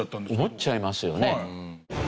思っちゃいますよね。